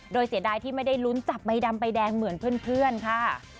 โดยเสียดายที่ไม่ได้ลุ้นจับใบดำใบแดงเหมือนเพื่อนค่ะ